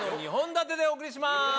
２本立てでお送りします！